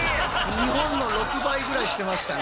日本の６倍ぐらいしてましたね。